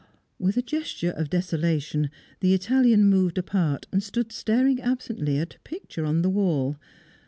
With a gesture of desolation, the Italian moved apart, and stood staring absently at a picture on the wall.